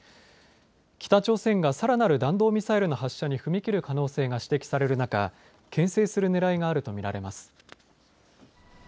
北朝鮮がさらなる弾道ミサイルの発射に踏み切る可能性が指摘される中、けん制するねらいがあると見られます。